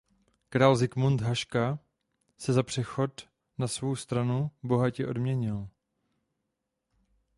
Král Zikmund Haška za přechod na svou stranu bohatě odměnil.